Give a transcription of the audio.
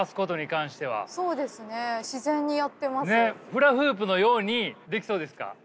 フラフープのようにできそうですか？